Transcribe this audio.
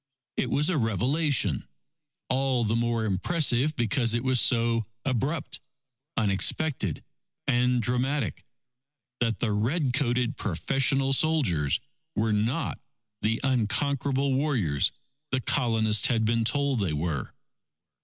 It was a revelation, all the more impressive because it was so abrupt, unexpected, and dramatic, that the red coated professional soldiers were not the unconquerable warriors, the Colonists had been told that they were.